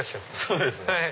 そうですね。